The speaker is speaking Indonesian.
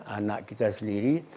anak kita sendiri